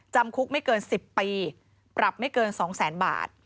จำคุกไม่เกิน๑๐ปีปรับไม่เกิน๒แสนบาท